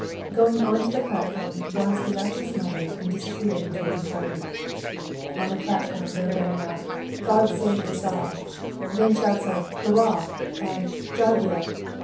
Going onto the platform, Vronsky left his mother and disappeared into a compartment. On the platform there rang out "God save the Tsar," then shouts of "hurrah!" and _"jivio!"